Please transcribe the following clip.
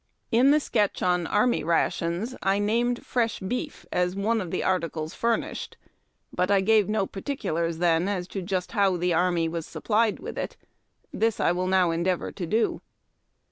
In the sketch on Army Rations I named fresh beef as one of the articles furnished, but I gave no particulars as to just how the army was supplied with it. This I will now en deavor to do.